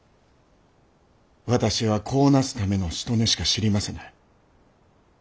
私は子をなすためのしとねしか知りませぬ。